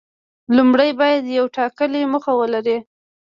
لومړی باید یوه ټاکلې موخه ولري.